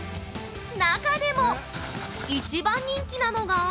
中でも一番人気なのが。